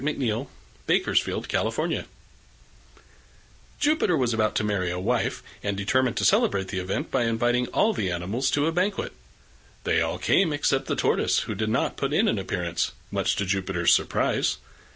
JUPITER AND THE TORTOISE Jupiter was about to marry a wife, and determined to celebrate the event by inviting all the animals to a banquet. They all came except the Tortoise, who did not put in an appearance, much to Jupiter's surprise.